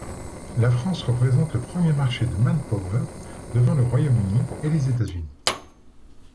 La France représente le premier marché de Manpower, devant le Royaume-Uni et les États-Unis.